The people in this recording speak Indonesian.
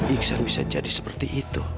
iksan bisa jadi seperti itu